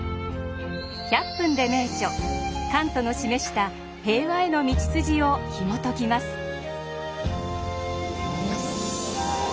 「１００分ｄｅ名著」カントの示した平和への道筋をひもときます。